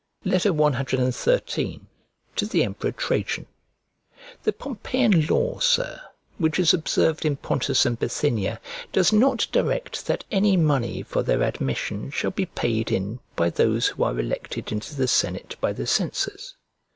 CXIII To THE EMPEROR TRAJAN THE Pompeian law, Sir, which is observed in Pontus and Bithynia, does not direct that any money for their admission shall be paid in by those who are elected into the senate by the censors.